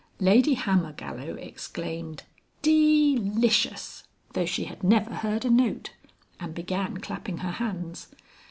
Lady Hammergallow exclaimed "De licious!" though she had never heard a note, and began clapping her hands.